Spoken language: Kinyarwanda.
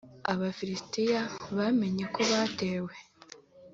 Abafilisitiya bamenye ko batewe